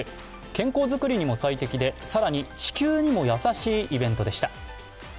健康作りにも最適で更に地球にもやさしいイベントでした。